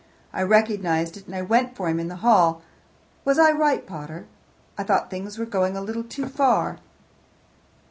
I recognized it, and I went for him in the hall. Was I right, pater? I thought things were going a little too far."